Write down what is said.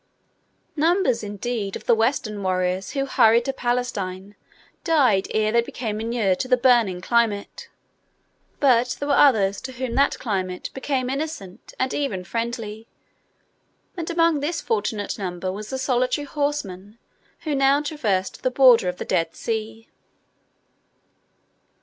Numbers, indeed, of the Western warriors who hurried to Palestine died ere they became inured to the burning climate; but there were others to whom that climate became innocent and even friendly, and among this fortunate number was the solitary horseman who now traversed the border of the Dead Sea.